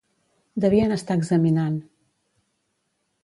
Devien estar examinant.